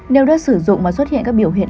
nếu đã sử dụng mà xuất hiện các biểu hiện